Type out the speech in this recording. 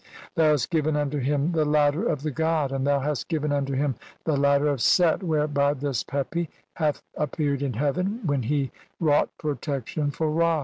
Thou hast given unto him the "ladder of the god, and thou hast given unto him the "ladder of Set, whereby this Pepi hath appeared in "heaven, when he wrought protection for Ra."